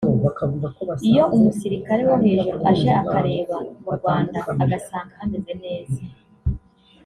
“Iyo umusirikare wo hejuru aje akareba mu Rwanda agasanga hameze neza